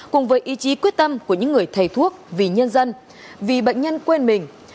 cùng với ý chí quyết tâm của những người thầy thuốc vì nhân dân vì bệnh nhân quên mình